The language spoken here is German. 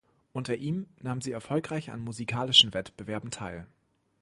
Unter ihm nahm sie erfolgreich an musikalischen Wettbewerben teil.